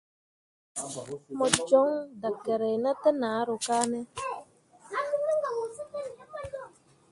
Mo jon dakerre na te nahro kane ?